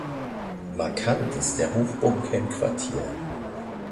Markant ist der Hochbunker im Quartier.